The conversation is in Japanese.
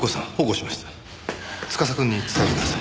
司くんに伝えてください。